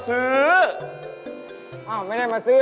ซื้ออะไรล่ะซื้อเลย